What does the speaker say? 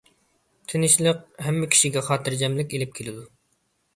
تىنچلىق ھەممە كىشىگە خاتىرجەملىك ئىلىپ كېلىدۇ.